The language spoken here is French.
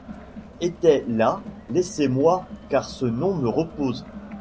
Était là. Laissez-moi, car ce nom me repose